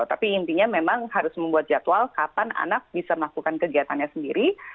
tapi intinya memang harus membuat jadwal kapan anak bisa melakukan kegiatannya sendiri